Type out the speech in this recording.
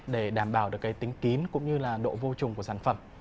để đảm bảo được cái tính kín cũng như là độ vô trùng của sản phẩm